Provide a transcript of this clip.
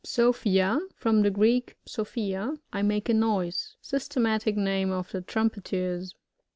PsopHiA. — From the Greek, psophia^ I make a noise. Systematic name of the Trumpeters.